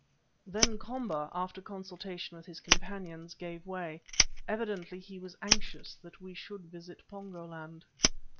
Then Komba, after consultation with his companions, gave way. Evidently he was anxious that we should visit Pongo land.